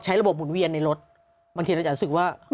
ระบบหมุนเวียนในรถบางทีเราจะรู้สึกว่า